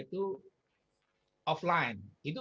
itu pasti akan terjadi semacam itu